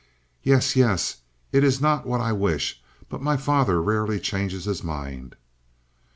"Yes, yes It is not what I wish but my father rarely changes his mind."